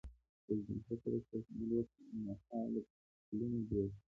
رئیس جمهور خپلو عسکرو ته امر وکړ؛ لنډمهاله پلونه جوړ کړئ!